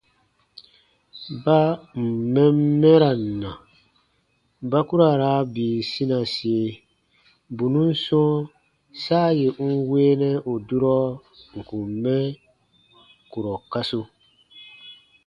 Baa ǹ n mɛn mɛran na, ba ku ra raa bii sinasie bù nùn sɔ̃ɔ saa yè n weenɛ ù durɔ n kùn mɛ kurɔ kasu.